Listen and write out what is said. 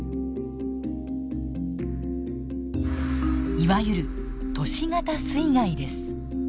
いわゆる都市型水害です。